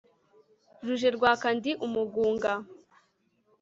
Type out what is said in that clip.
rujerwaka ndi umugunga